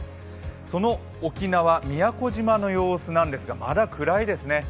その沖縄、宮古島の様子なんですがまだ暗いですね。